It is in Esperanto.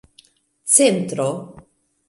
centro